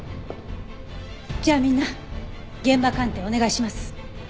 じゃあみんな現場鑑定お願いします。